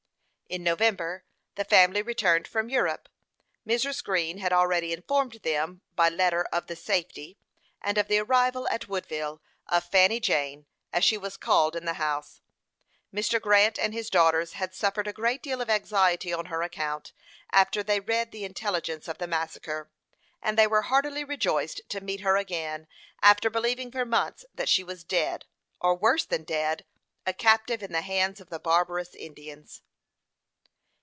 In November, the family returned from Europe. Mrs. Green had already informed them by letter of the safety, and of the arrival at Woodville, of Fanny Jane, as she was called in the house. Mr. Grant and his daughters had suffered a great deal of anxiety on her account, after they read the intelligence of the massacre, and they were heartily rejoiced to meet her again, after believing for months that she was dead, or worse than dead a captive in the hands of the barbarous Indians.